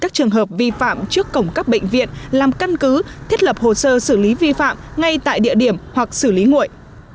các trường hợp vi phạm trước cổng các bệnh viện làm căn cứ thiết lập hồ sơ xử lý vi phạm ngay tại địa điểm hoặc xử lý nguội